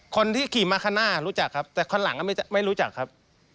คนที่ขี่มาข้างหน้ารู้จักครับแต่คันหลังไม่รู้จักครับ